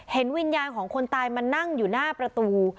เห็นวิญญาณของคนตายมานั่งอยู่หน้าประตู